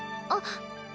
あっ。